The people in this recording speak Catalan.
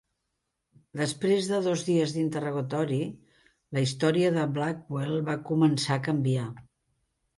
Després de dos dies d'interrogatori, la història de Blackwell va començar a canviar.